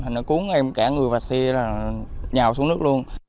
nó cuốn em cả người và xe là nhào xuống nước luôn